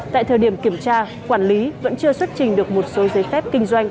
tại thời điểm kiểm tra quản lý vẫn chưa xuất trình được một số giấy phép kinh doanh